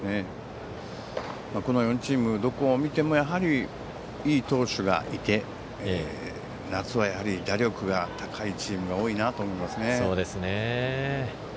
４チーム、どこを見てもいい投手がいて夏は打力が高いチームが多いなと思いますね。